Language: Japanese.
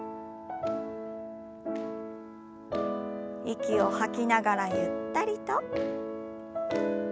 息を吐きながらゆったりと。